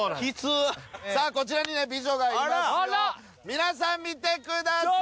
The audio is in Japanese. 皆さん見てください！